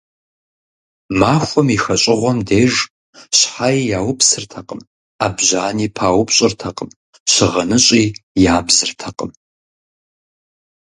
Махуэм и хэщӀыгъуэм деж щхьэи яупсыртэкъым, Ӏэбжьани паупщӀыртэкъым, щыгъыныщӀи ябзыртэкъым.